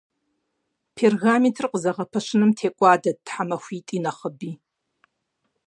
Пергаментыр къызэгъэпэщыным текӏуадэрт тхьэмахуитӏи нэхъыби.